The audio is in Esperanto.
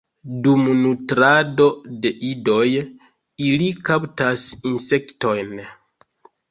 Dum nutrado de idoj ili kaptas insektojn.